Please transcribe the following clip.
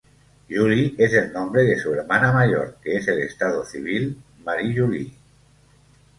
Julie es el nombre de su hermana mayor, que es el estado civil Marie-Julie.